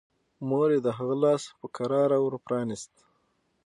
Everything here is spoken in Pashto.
مور يې د هغه لاس په کراره ور پرانيست.